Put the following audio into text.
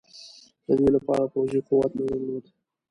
د دې لپاره پوځي قوت نه درلود.